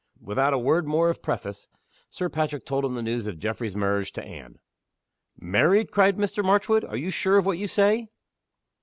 Without a word more of preface, Sir Patrick told him the news of Geoffrey's marriage to Anne. "Married!" cried Mr. Marchwood. "Are you sure of what you say?"